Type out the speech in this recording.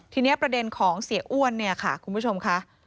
ทีนี้ประเด็นของเสียอ้วนเนี่ยค่ะคุณผู้ชมค่ะ